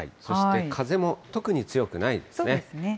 そして風も特に強くないですね。